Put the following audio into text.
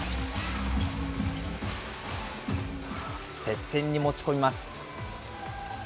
接戦に持ち込みます。